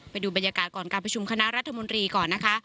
ไปดูบรรยากาศก่อนการประชุมคณะรัฐมนตรีก่อนนะคะ